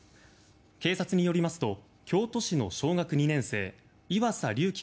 警察によりますと京都市の小学２年生岩佐琉葵